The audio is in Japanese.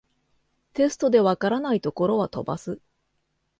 テストで解らないところは飛ばす